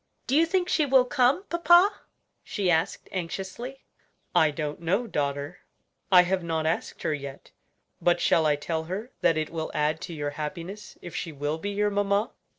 "Do you think she will come, papa?" she asked anxiously. "I don't know, daughter; I have not asked her yet. But shall I tell her that it will add to your happiness if she will be your mamma?"